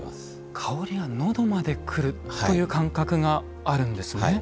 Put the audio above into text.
香りがのどまでくる感覚があるんですね。